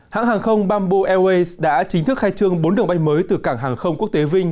hãng hàng không bamboo airways đã chính thức khai trương bốn đường bay mới từ cảng hàng không quốc tế vinh